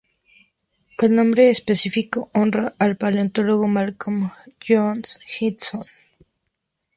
El nombre específico honra al paleontólogo Malcolm J. Heaton.